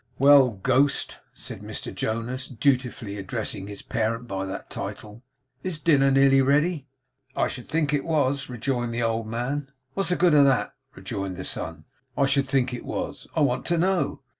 'Well, ghost!' said Mr Jonas, dutifully addressing his parent by that title. 'Is dinner nearly ready?' 'I should think it was,' rejoined the old man. 'What's the good of that?' rejoined the son. 'I should think it was. I want to know.